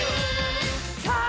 さあ